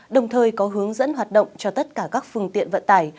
đồng thời có hướng dẫn hoạt động cho tất cả các phương tiện vận tải